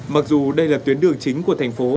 mặc dù đây là tuyến đường chính của thành phố